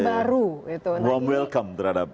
baru one welcome terhadap